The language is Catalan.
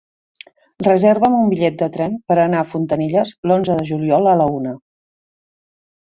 Reserva'm un bitllet de tren per anar a Fontanilles l'onze de juliol a la una.